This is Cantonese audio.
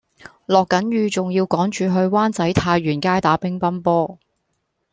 落緊雨仲要趕住去灣仔太原街打乒乓波